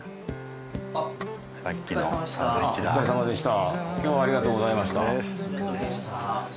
あっお疲れさまでした。